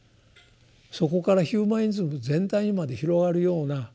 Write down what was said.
そこからヒューマニズム全体にまで広がるような